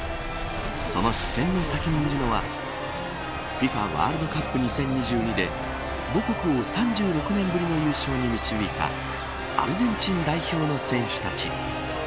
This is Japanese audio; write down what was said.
その視線の先にいるのはＦＩＦＡワールドカップ２０２２で母国を３６年ぶりの優勝に導いたアルゼンチン代表の選手たち。